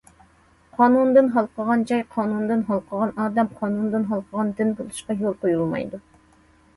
قانۇندىن ھالقىغان جاي، قانۇندىن ھالقىغان ئادەم، قانۇندىن ھالقىغان دىن بولۇشقا يول قويۇلمايدۇ.